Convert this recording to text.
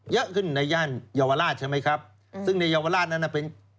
เยอะขึ้นในย่านเยาวราชใช่ไหมครับซึ่งในเยาวราชนั้นน่ะเป็น